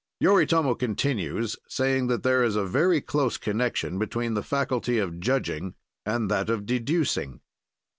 Yoritomo continues, saying that there is a very close connection between the faculty of judging and that of deducing.